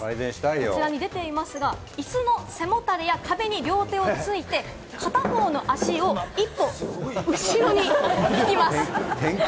こちらに出ていますが、イスの背もたれや壁に両手をついて、片方の足を１歩、後ろに引きます。